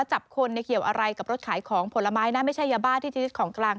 จับคนเกี่ยวอะไรกับรถขายของผลไม้นะไม่ใช่ยาบ้าที่จะยึดของกลาง